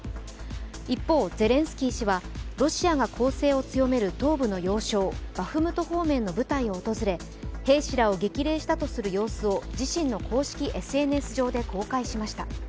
一方、ゼレンスキー氏はロシアが攻勢を強める東部の要衝、バフムト方面の部隊を訪れ兵士らを激励したとする様子を自身の公式ＳＮＳ上で公開しました。